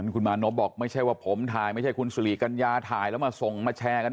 คุณมานพบอกไม่ใช่ว่าผมถ่ายไม่ใช่คุณสุริกัญญาถ่ายแล้วมาส่งมาแชร์กัน